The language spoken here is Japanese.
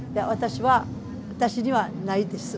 私にはないです。